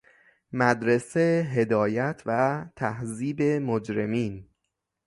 مدرسه هدایت و تهذیب مجرمین